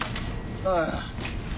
ああ。